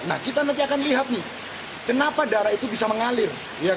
nah kita nanti akan lihat nih kenapa darah itu bisa mengalir